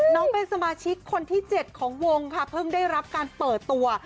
น้องเป็นสมาชิกคนที่๗ของวงค่ะเพิ่งได้รับการเปิดตัว